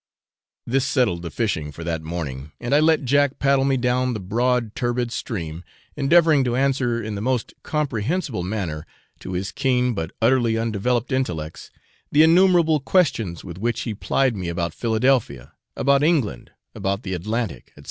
This settled the fishing for that morning, and I let Jack paddle me down the broad turbid stream, endeavouring to answer in the most comprehensible manner to his keen but utterly undeveloped intellects the innumerable questions with which he plied me about Philadelphia, about England, about the Atlantic, &c.